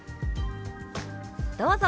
どうぞ。